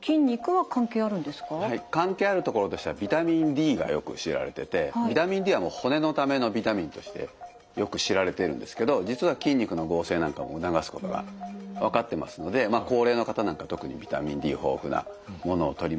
関係あるところとしたらビタミンＤがよく知られててビタミンＤは骨のためのビタミンとしてよく知られてるんですけど実は筋肉の合成なんかも促すことが分かってますので高齢の方なんか特にビタミンＤ豊富なものをとりましょうと。